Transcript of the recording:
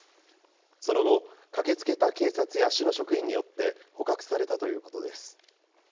その後、駆けつけた警察や市の職員によって捕獲されたということです。